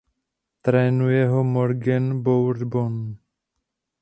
Trénuje ho Morgan Bourbon.